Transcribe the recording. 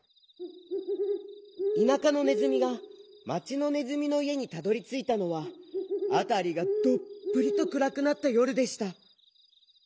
田舎のねずみが町のねずみのいえにたどりついたのはあたりがどっぷりとくらくなったよるでした。